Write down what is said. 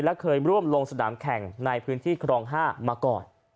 และเคยร่วมลงสนามแข่งในพื้นที่ครอง๕มาก่อน